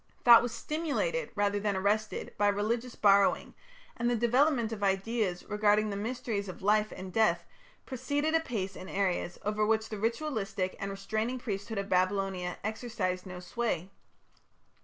Thought was stimulated rather than arrested by religious borrowing, and the development of ideas regarding the mysteries of life and death proceeded apace in areas over which the ritualistic and restraining priesthood of Babylonia exercised no sway.